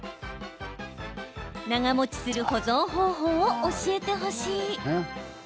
長もちする保存方法を教えてほしい。